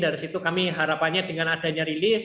dari situ kami harapannya dengan adanya rilis